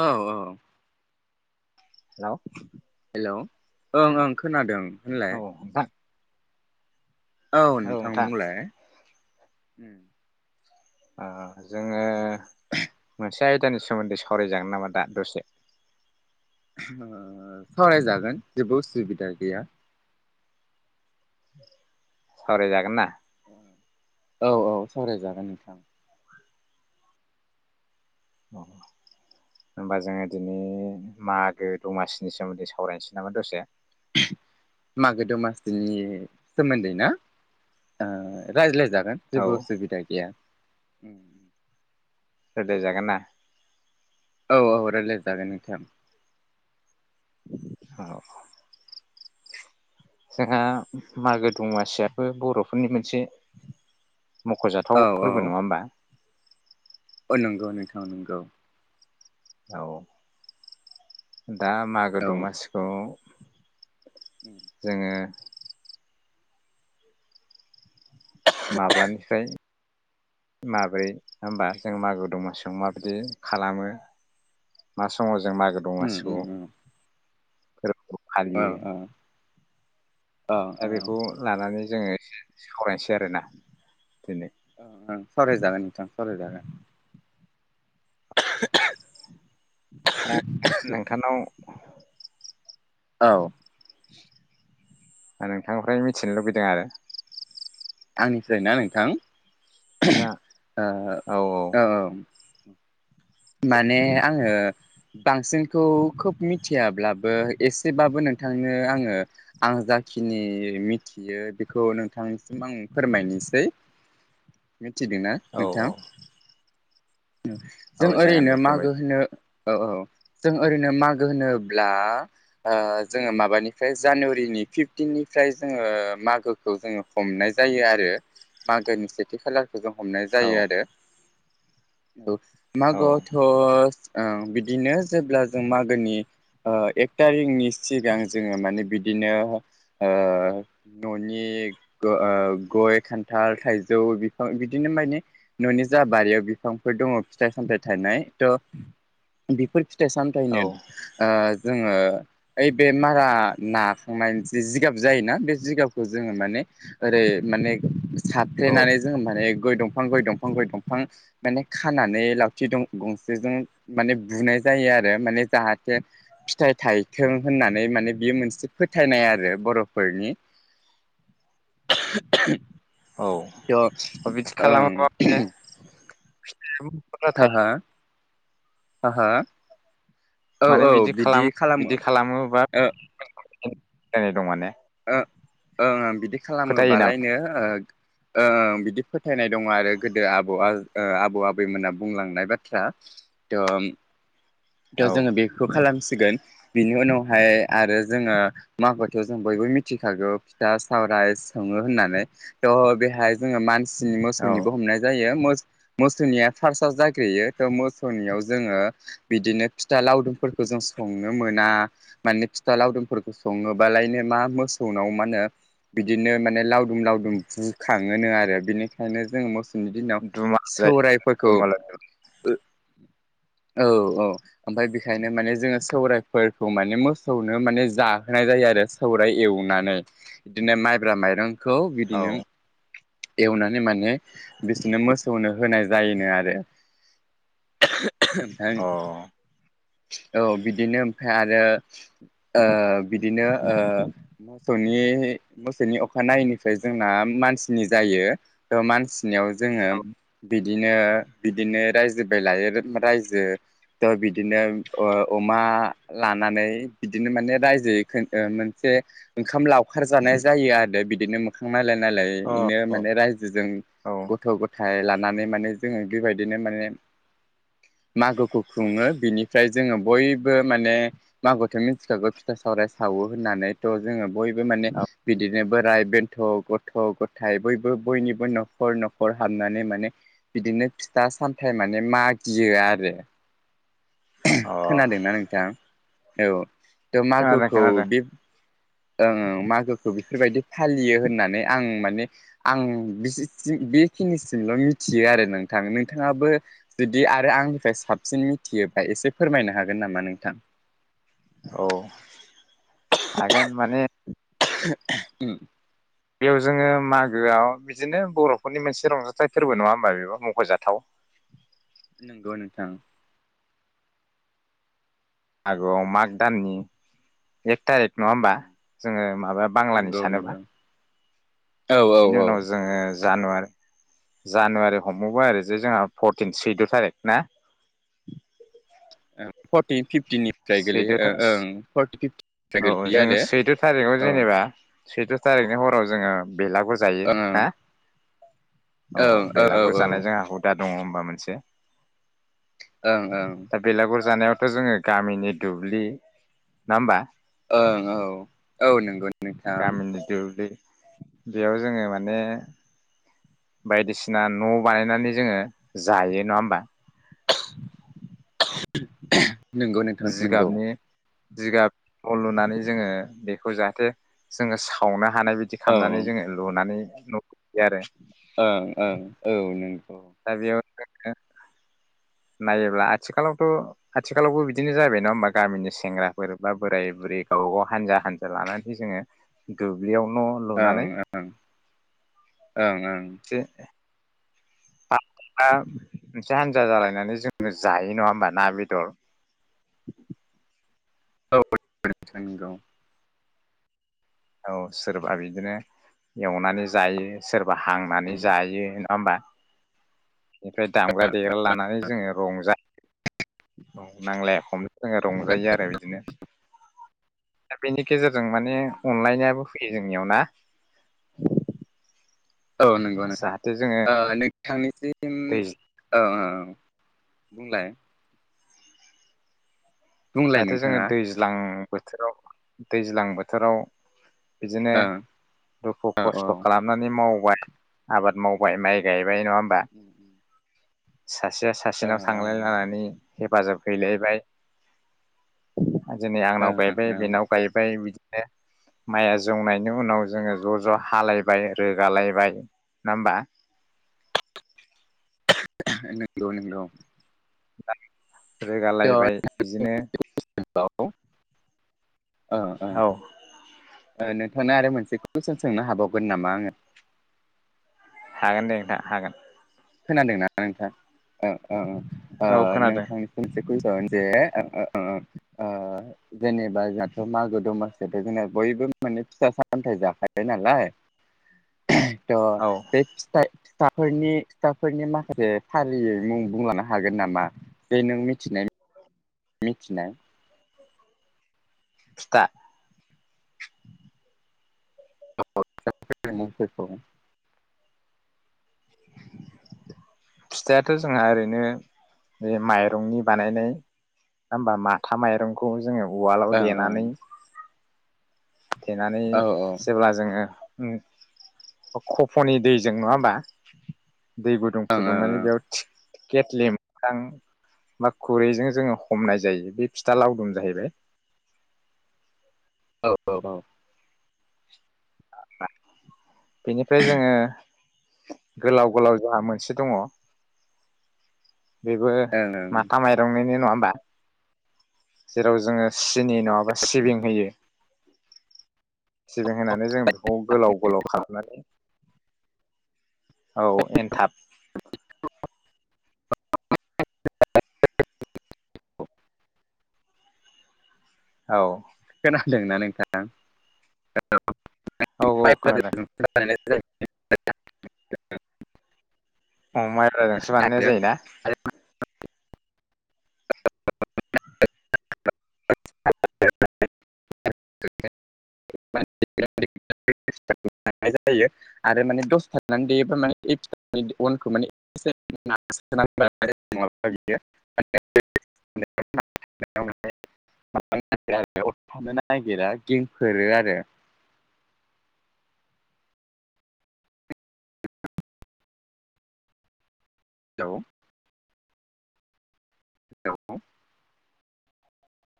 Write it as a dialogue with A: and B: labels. A: औ औ
B: hello
A: hello ओं ओं खोनादों
B: औ
A: होनलाय
B: नोंथां
A: औ नोंथां बुंलाय ओम
B: ओ जोङो मोनसे आयदानि सोमोन्दै सावरायजागोन नामा दा दसे
A: सावरायजागोन जेबो उसुबिदा गैया
B: सावराय जागोनना?
A: औ औ सावरायजागोन नोंथां
B: होनबा जोङो दिनै मागो दमासिनि सोमोन्दै सावरायनोसै नामा दसे
A: मागो दमासिनि सोमोन्दै ना ओ रायज्लाय जागोन
B: औ
A: जेबो उसुबिदा गैया उम
B: गोदो जागोनना?
A: औ औ रायज्लायजागोन नोंथां।
B: जोंहा मागो दमासियाबो बर'फोरनि मोनसे मख'जाथाव फोरबो नङा होमबा?
A: अ नंगौ नोंथां नंगौ।
B: औ उम दा मागो
A: औ उम
B: दमासिखौ जोङो माब्लानिफ्राय माब्रै होमबा जों मागो दमासि माबायदि खालामो मा समाव ज जों मागो दमासिखौ [inaudible]
A: ओं ओं
B: दा बेखौ लानानै जोङो [inaudible] सावरायनोसै आरोना दिनै।
A: सावराय जागोन नोंथां सावराय जागोन।
B: नोंथांनाव
A: औ
B: नोंथांनिफ्राय मिथिनो लुबैदों आरो?
A: आंनिफ्राय ना नोंथां?
B: जा
A: ओ
B: औ औ
A: माने आङो बांसिनखौ खोब मिथियाब्लाबो एसेबाबो नोंथांनो आङो आं जाखिनि मिथियो बेखौ नोंथांनिसिम आं फोरमायनिसै मिथिदों ना
B: औ
A: नोंथां?
B: औ
A: जों
B: जागोन दे
A: ओरैनो मागो
B: फोरमायदो
A: होनो औ औ जों ओरैनो मागो होनोब्ला आ जोङो माबानिफ्राय जानुवारिनि फिफटिननिफ्राय जोङो मागोखौ जोङो हमनाय जायो आरो मागोनि सेथि खालार हमनाय
B: औ
A: जायो आरो। द
B: औ
A: मागोआवथ' ओ बिदिनो जेब्ला जों मागोनि ओ एक थारिखनि सिगां जोङो माने बिदिनो ओ न'नि ओ गय खान्थाल थाइजौ बिफां बिदिनो माने न'नि जा बारियाव बिफांफोर दङ फिथाइ सामथाय थनाय थ' बेफोर सामथायनो
B: औ
A: ओ जोङो ओइ बे मारा नाखांनाय जि जिगाब जायोना बे जिगाबखौ जोङो माने ओरै माने
B: औ
A: सारफ्लेनानै जोंङो माने। गय दंफां गय दंफां गय दंफां माने खा खानानै लावथि गंसेजों माने बुनाय जायो आरो, माने जाहाथे फिथाइ थायथों होननानै माने बेयो मोनसे फोथायनाय आरो बर'फोरनि।
B: औ
A: थ'
B: अ बिदि
A: ओं
B: खालामाब दे [inaudible] औ [unintelligible]
A: ह ह। ह ह।
B: माने बिदि खालामो बिदि खालामोबा। जानाय दं। मान ने।
A: ओ ओ बिदि बिदि
B: फोथायो नामा
A: खालामोबालायनो। ओ बिदि फोथायनाय दङ आरो, गोदो आबौ आबौ आबैमोना बुंलांनाय बाथ्रा। थह थ'
B: औ
A: जोङो बेखौ खालामसिगोन। बिनि उनावहाय आरो जोङो। मागोथयाव जों बयबो मिथिखागौ फिथा सावराय सङो होननानै थह बेहाय जोङो मान
B: औ
A: मोसौनिबो हमनाय जायो। मोसौनिया फार्स्टआ जाग्रोयो त' मौसौनियाव जोङो। बिदिनो फिथा लावदुमफोरखौ जों संनो मोना, माने फिथा लावदुमफोरखौ सङोबालायनो मा मोसौनाव मा होनो बिदिनो माने लावदुम लावदुम बुखाङोनो आरो । बिनिखायनो मोसौ दिनि दिनाव
B: दुमालु जायो
A: सौरायफोरखौ।
B: दुमालु
A: ओ। औ। औ ओमफ्राय बेखायनो माने जोङो सौरायाइफोरखौ माने मोसौनो माने जाहोनाय जायो। आरो सौरायाइ एवनानै बिदिनो माइब्रा माइरं खौ बिदि
B: औ
A: नों एवनाय। माने बिसोरनो मोसौनो होनाय जायोनो आरो।
B: अ औ
A: [unintelligible] औ बिदिनो ओमफ्राय। आरो। ओ बिदिनो ओ। मोसौनि मोसौनि अखानायैनिफ्राय जोंना मानसिनि जायो, मानसि नि जोङो।
B: अ
A: बिदिनो बिदिनो रायजो बाय लायो। रायजो थ' बिदिनो अमा लानानै, बिदिनो माने रायजोै मोनसे ओंखाम लाव ओंखारजानाय जायो। आरो बिदि बिदिनो मोखां नायलाय नायालाय बेनो माने
B: औ
A: रायजोजों
B: औ
A: गथ' गथ'। लानानै माने जों बेबायदिनो माने मागो खुङो बिनि फ्राय जोङो बयबो माने मागोथो मिथिखागौ फिथा सावराय सावो होननानैथ' जोङो। बयबो माने बिदि। बिदिनो बोराइ बेन्थ' गथ' गथाय बयबो बयनिबो न'खर न'खर हाबनानै माने बिदिनो फिथा सामथायाइ माने मागियो आरो
B: अ
A: खोनादोंना नोंथां। औ थ'
B: खोनादों
A: मागोखौ
B: खोनादों
A: बिब ओं ओं मागोखौ बेफोरबायदि, फालियो होननानै आं माने आं बेसि सि बेखिनिसिमल मिथियो आरो नोंथां नोंथाङाबो जुदि आरो आंनिफ्राय साबसिन मिथियोबा एसे फोरमायनो हागोन नामा नोंथां?
B: औ आगोन मानो हाया
A: उम
B: बेयाव जोङो मागोआव बिदिनो बर'फोरनि मोनसे रंजाथाइ फोरबो नङा होमबा बेबो मख'जाथाव,
A: नंगौ नोंथां
B: मागोआव माग दाननि एक थारिख नङा होमबा
A: नंगौ
B: जोङो माबा बांलानि सानोबा
A: नंगौ औ औ
B: बिनि उनाव
A: औ
B: जोङो जानुवार जानुवारि हमबावबा आरै जे जोंहा फरटिन सैद थारिख ना?
A: औ फरटिन फिप थिनिफ्राय
B: सैद'
A: गोलैयो ओ ओं फरटिन फिफ्टिननिफ्राय
B: औ
A: गोलैयो
B: जोङो सैद' थारिखआव
A: आरो औ
B: जेनेबा सैद थारिखनि हराव जोङो बेलागुर जायो हा, औ
A: ओं औ
B: बेलागुर जानाय
A: ओं
B: जोंहा हुदा दङ होमबा मोनसे
A: ओं
B: दा बेलागुर जानायाव दा जोङो गामिनि दुब्लि ना होमबा,
A: ओं औ औ नंगौ नोंथां
B: गामिनि दुब्लि बेयाव जोङो माने बायदिसिना न' बानायनानै जोङो जायो नङा होमबा,
A: [unintelligible] नंगौ नोंथां नंगौ,
B: बिगाब लुनानै जोङो बेखौ जाहाथे जोङो सावना, हानाय बिदि
A: औ औ
B: खालामनानै जोङो लुनानै, [unintelligible] आरो
A: ओं ओं औ नों-
B: आरो नायोब्ला आथिखालावथ आथिखालावबो बिदिनो जाबाय नङा होमबा गामिनि सेंग्राफोर बा बोराय बुरै गावबा गाव हानजा हानजा लानानै जोंङो दुब्लियाव न
A: ओं
B: लुनानै
A: ओं औ
B: एसे [unintelligible] मोनसे हानजा जालायनानै जोङो जायो नङा होमबा ना बेदर
A: औ नोंथां नंगौ
B: औ सोरबा बिदिनो एवनानै जायो सोरबा हांनानै
A: उम
B: जायो नङा होमबा। बेनिफ्राय दामग्रा देग्रा लानानै जोंङो रंजायो। औ नांलाया खमया। जोंङो रंजायो आरो बिदिनो। दा बेनि। गेजेरजों माने अनलायनायाबो। फैयो जोंनियाव ना।
A: औ नंगौ नोंथां
B: जाहाथे जोङो
A: नोंथांनिसिम
B: दै
A: औ औ। बुंलाय। बुंलाय
B: जाहाथे जोङो
A: नोंथाङा
B: दैज्लां। बोथोराव दैज्लां बोथोराव। बिदिनो
A: ओं
B: दुखु
A: औ औ ओ
B: खस्थ खालामनानै मावो। मावबाय आबाद मावबाय माइ गायबाय गायबाय नङा होमबा।
A: ओं
B: सासेया सासेनाव थांलाय लानानै। हेफाजाब हैलायबाय। उम। दिनै आंनाव
A: ओं
B: गायबाय बेनाव गायबाय बिदि। बिदिनो माया। जौनायनि उनाव जोङो ज ज हालायबाय। रोगालायबाय नङा होमबा।
A: नंगौ नंगौ।
B: [unintelligible]
A: औ
B: रोगालायबाय बिदिनो।
A: ओ ओ
B: औ
A: नोंथांनो आरो मोनसे कुइसन सोंनो हाबावगोन नामा आंङो।
B: हागोन दे नोंथां हागोन।
A: खोनादोंना नोंथांआ औ। ओ ओ
B: औ खोनादों
A: नोंथांनिसि जे [unintelligible] जेनेबा जोंहाथ मागो दमासियावथ' जोंना बयबो माने फिथाय सामथाय जाखायो नालाय। थ'
B: औ
A: बे फिथाय। फिथाफोरनि। फिथाफोरनि माखासे फारियै मुं बुंलांनो हागोन नामा बे नों मिथिनाय। मिथिनाय।
B: फिथा। [inaudible]
A: औ फिथाफोरनि मुंफोरखौ
B: फिथायाथ' जोंहा ओरैनो ओ माइरंनि बानायो नङा होमबा माथा माइरंखौ जोङो। उवालाव
A: ओं ओं
B: देनानै देनानै
A: औ ओं
B: जेब्ला जोङो। ओं [unintelligible] फनि दैजों नङाबा। दै बो दं।
A: ओं
B: फुदुंनानै
A: ओं
B: बेयाव थि। केेटलि मोखां बा खुरैजों जोङो हमनाय जायो बे फिथा लावदुम जाहैबाय।
A: औ औ औ।
B: [unintelligible] बेनिफ्राय जोङो। गोलाव गोलाव जोंहा मोनसे। दङ। बेबो
A: ओं
B: माथा माइरंनिनो नङा। [unintelligible] जेराव जोङो सिनि नङाबा सिबिं होयो। सिबिं होनानै जों बेखौ गोलाव गोलाव खालामनानै। औ एनथाब।
A: [unintelligible]
B: औ।
A: दोंना नोंथां? [unintelligible]
B: औ औ खोनादों
A: [unintelligible] [unintelligible]
B: अ माइराजोंसो बानायनाय जायोना?
A: [unintelligible] [unintelligible] [unintelligible] आरो माने दस थनानै देयोबा माने अनखौ थानो नागिरा [unintelligible] फोरो आरो। औ औ